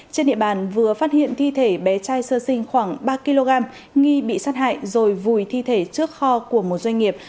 trên địa bàn vừa phát hiện thi thể bé trai sơ sinh khoảng ba kg nghi bị sát hại rồi vùi thi thể trước kho của một doanh nghiệp